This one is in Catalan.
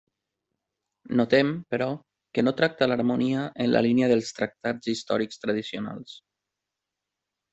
Notem, però, que no tracta l'harmonia en la línia dels tractats històrics tradicionals.